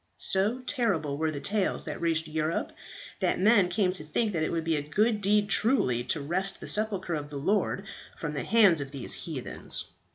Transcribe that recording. "So terrible were the tales that reached Europe that men came to think that it would be a good deed truly, to wrest the sepulchre of the Lord from the hands of these heathens.